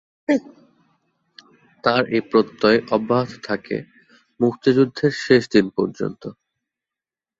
তার এই প্রত্যয় অব্যাহত থাকে মুক্তিযুদ্ধের শেষ দিন পর্যন্ত।